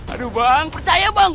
aduh bang percaya bang